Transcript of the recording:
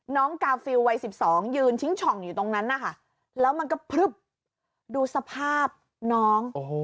น้องกาฟิลว์วัย๑๒ยืนทิ้งฉ่องอยู่ตรงนั้นแล้วมันก็ดูสภาพน้อง